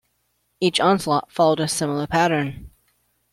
Each onslaught followed a similar pattern.